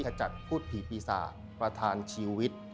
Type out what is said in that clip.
คจัดผู้ดผีปีศาพรทานชีวิต